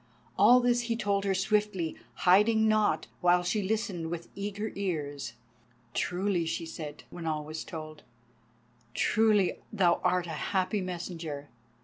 All this he told her swiftly, hiding naught, while she listened with eager ears. "Truly," she said, when all was told, "truly thou art a happy messenger.